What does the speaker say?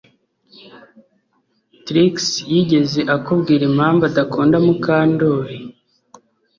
Trix yigeze akubwira impamvu adakunda Mukandoli